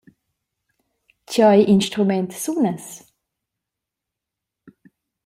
Tgei instrument sunas?